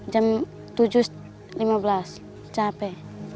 jam tujuh lima belas capek